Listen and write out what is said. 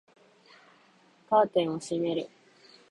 カーテンを閉める